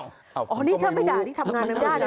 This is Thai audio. นี่เธอไม่ด่านี่ทำงานไม่ได้